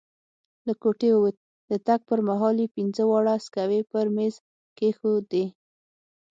له کوټې ووت، د تګ پر مهال یې پینځه واړه سکوې پر میز کښېښودې.